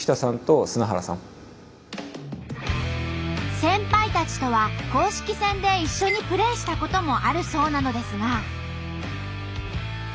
先輩たちとは公式戦で一緒にプレーしたこともあるそうなのですが。